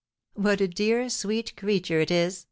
"What a dear, sweet creature it is!"